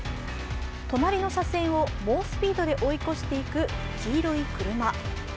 隣の車線を猛スピードで追い越ししていく黄色い車。